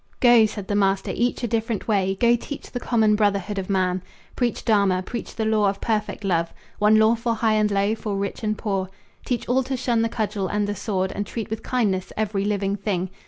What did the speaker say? "Go," said the master, "each a different way. Go teach the common brotherhood of man. Preach Dharma, preach the law of perfect love, One law for high and low, for rich and poor. Teach all to shun the cudgel and the sword, And treat with kindness every living thing.